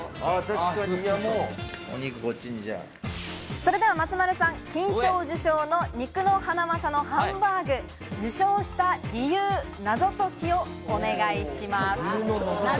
それでは松丸さん、金賞受賞の肉のハナマサのハンバーグ、受賞した理由、謎解き、お願いします。